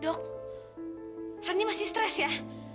dok renni masih stres ya